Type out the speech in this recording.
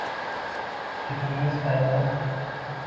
-Yigitingiz aynidimi?